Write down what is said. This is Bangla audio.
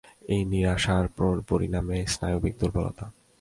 এই নিরাশার পরিণামে স্নায়বিক দুর্বলতা।